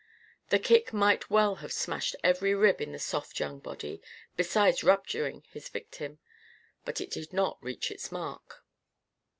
The kick might well have smashed every rib in the soft young body, besides rupturing its victim. But it did not reach its mark.